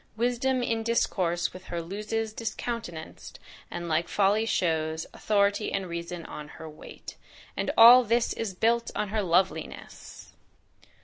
Wisdom in discourse with her Loses discountenanc'd, and like folly shows; Authority and reason on her wait." And all this is built on her loveliness!